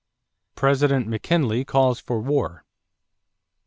=President McKinley Calls for War.